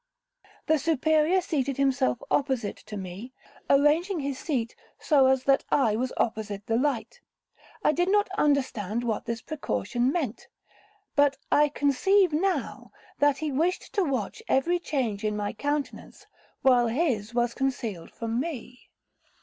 The Superior seated himself opposite to me, arranging his seat so as that I was opposite the light. I did not understand what this precaution meant, but I conceive now, that he wished to watch every change in my countenance, while his was concealed from me.